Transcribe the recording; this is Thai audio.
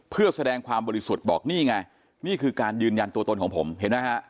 เพื่อแสดงความบริสุทธิ์บอกนี่ไงนี่คือการยืนยันตัวตนของผมเห็นไหมฮะ